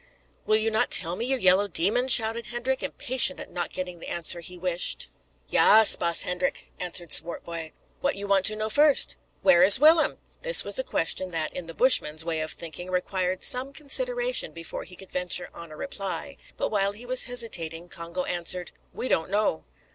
"Will you not tell me, you yellow demon?" shouted Hendrik, impatient at not getting the answer he wished. "Yaas, baas Hendrik," answered Swartboy; "what you want to know first?" "Where is Willem?" This was a question that, in the Bushman's way of thinking, required some consideration before he could venture on a reply; but while he was hesitating, Congo answered, "We don't know."